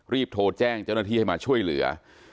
รีบโทรแจ้งเจ้าหน้าที่ให้มาช่วยเหลือ